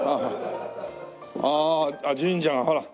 ああ神社がほら。